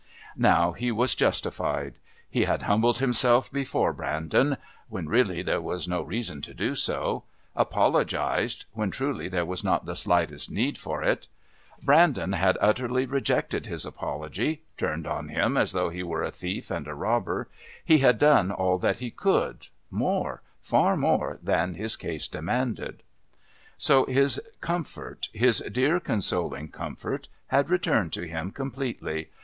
Now he was justified. He had humbled himself before Brandon (when really there was no reason to do so), apologised (when truly there was not the slightest need for it) Brandon had utterly rejected his apology, turned on him as though he were a thief and a robber he had done all that he could, more, far more, than his case demanded. So his comfort, his dear consoling comfort, had returned to him completely.